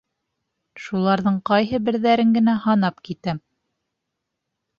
Шуларҙың ҡайһы берҙәрен генә һанап китәм: